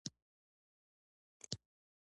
سپي د وفادارۍ سمبول دی.